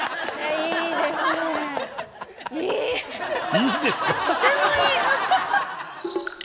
いいですか？